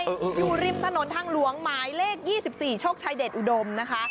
อยู่ริมถนนทางหลวงหมายเลข๒๔โชคชัยเดชอุดมนะคะ